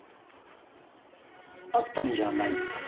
会ったんじゃないんですか？